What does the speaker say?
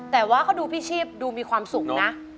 แต่ว่าเขาดูพี่ชีพดูมีความสุขนะ